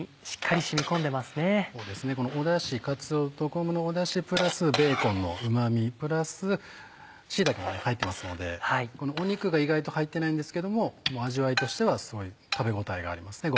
このダシプラスベーコンのうま味プラス椎茸も入ってますので肉が意外と入ってないんですけども味わいとしてはすごい食べ応えがありますね。